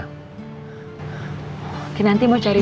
kekinanti mau cari